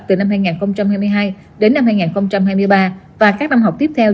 từ năm hai nghìn hai mươi hai đến năm hai nghìn hai mươi ba và các năm học tiếp theo